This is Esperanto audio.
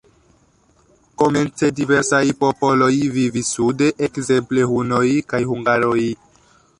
Komence diversaj popoloj vivis sude, ekzemple hunoj kaj hungaroj.